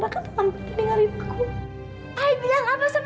ayah yang bikin